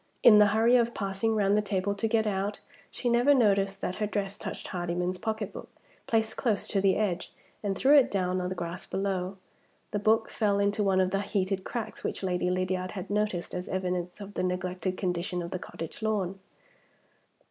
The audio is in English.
In the hurry of passing round the table to get out, she never noticed that her dress touched Hardyman's pocketbook, placed close to the edge, and threw it down on the grass below. The book fell into one of the heat cracks which Lady Lydiard had noticed as evidence of the neglected condition of the cottage lawn.